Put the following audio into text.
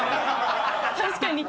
確かに。